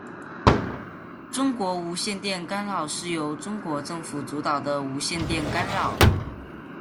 中国无线电干扰是由中国政府主导的无线电干扰。